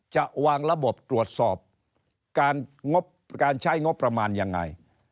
จะวางระบบตรวจสอบการงบการใช้งบประมาณยังไง